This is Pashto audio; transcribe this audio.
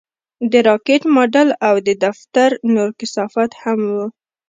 د راکټ ماډل او د دفتر نور کثافات هم وو